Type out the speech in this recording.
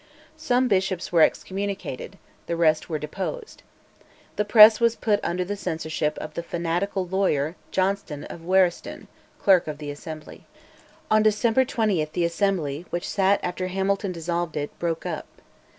Some bishops were excommunicated, the rest were deposed. The press was put under the censorship of the fanatical lawyer, Johnston of Waristoun, clerk of the Assembly. On December 20 the Assembly, which sat on after Hamilton dissolved it, broke up.